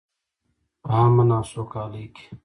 په امن او سوکالۍ کې.